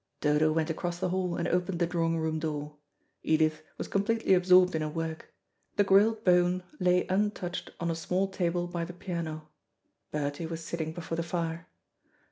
Dodo went across the hall and opened the drawing room door. Edith was completely absorbed in her work. The grilled bone lay untouched on a small table by the piano. Bertie was sitting before the fire.